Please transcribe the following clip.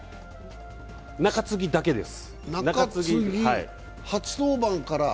中継ぎだけです。